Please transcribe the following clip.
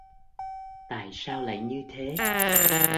tại sao lại như thế